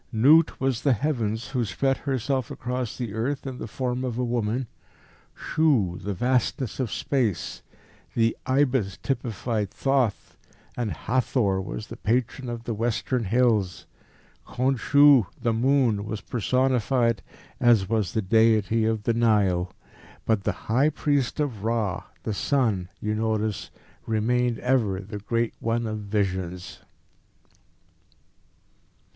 "Nut was the Heavens, who spread herself across the earth in the form of a woman; Shu, the vastness of space; the ibis typified Thoth, and Hathor was the Patron of the Western Hills; Khonsu, the moon, was personified, as was the deity of the Nile. But the high priest of Ra, the sun, you notice, remained ever the Great One of Visions."